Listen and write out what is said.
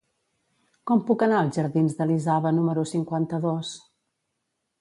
Com puc anar als jardins d'Elisava número cinquanta-dos?